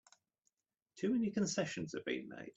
Too many concessions have been made!